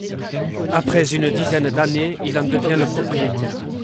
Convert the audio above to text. Après une dizaine d'années il en devient le propriétaire.